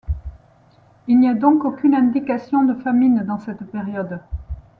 Il n'y a donc aucune indication de famine dans cette période.